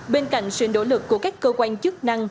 bên cạnh sự nỗ lực của các cơ quan chức năng